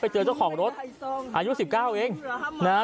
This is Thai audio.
ไปเจอเจ้าของรถอายุ๑๙เอง